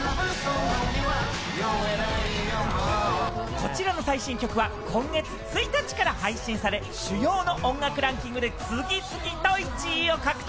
こちらの最新曲は今月１日から配信され、主要の音楽ランキングで次々と１位を獲得！